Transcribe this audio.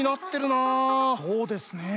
そうですねえ。